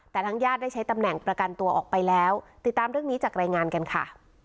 แต่ทางญาติได้ใช้ตำแหน่งประกันตัวออกไปแล้วติดตามเรื่องนี้จากรายงานกันค่ะ